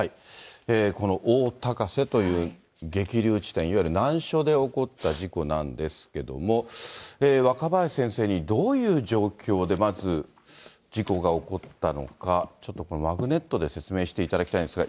この大高瀬という激流地点、いわゆる難所で起こった事故なんですけども、若林先生にどういう状況で、まず事故が起こったのか、ちょっとこのマグネットで説明していただきたいんですが、